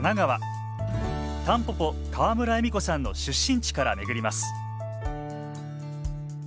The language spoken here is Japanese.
たんぽぽ川村エミコさんの出身地から巡ります